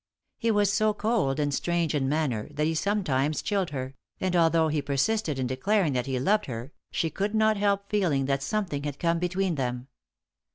He was so cold and strange in manner that he sometimes chilled her, and although he persisted in declaring that he loved her, she could not help feeling that something had come between them.